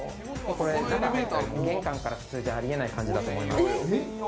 玄関から普通じゃありえない感じだと思います。